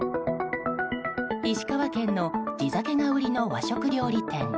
石川県の地酒が売りの和食料理店。